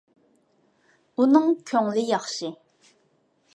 ئۇنىڭ كۆڭلى ياخشى.